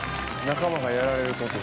「仲間がやられると」